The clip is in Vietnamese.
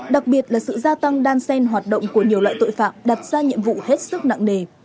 đặc biệt là sự gia tăng đan sen hoạt động của nhiều loại tội phạm đặt ra nhiệm vụ hết sức nặng nề